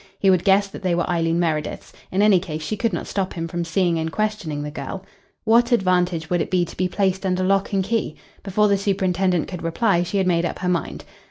He would guess that they were Eileen Meredith's in any case, she could not stop him from seeing and questioning the girl. What advantage would it be to be placed under lock and key? Before the superintendent could reply she had made up her mind.